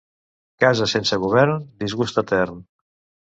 Casa sense govern, disgust etern.